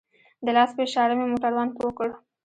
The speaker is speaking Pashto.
د لاس په اشاره مې موټروان پوه کړ.